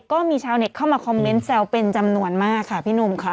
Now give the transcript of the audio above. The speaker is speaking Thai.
ก็มีชาวเน็ตเข้ามาคอมเมนต์แซวเป็นจำนวนมากค่ะพี่หนุ่มค่ะ